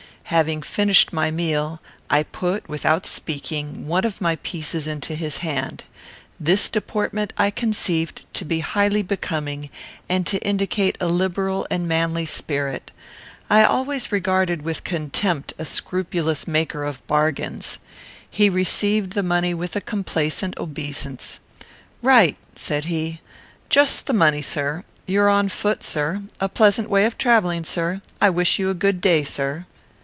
Having finished my meal, I put, without speaking, one of my pieces into his hand. This deportment I conceived to be highly becoming, and to indicate a liberal and manly spirit. I always regarded with contempt a scrupulous maker of bargains. He received the money with a complaisant obeisance. "Right," said he. "Just the money, sir. You are on foot, sir. A pleasant way of travelling, sir. I wish you a good day, sir."